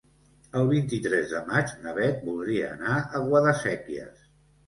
El vint-i-tres de maig na Beth voldria anar a Guadasséquies.